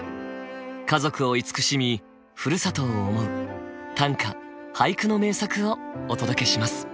家族を慈しみふるさとを思う短歌・俳句の名作をお届けします。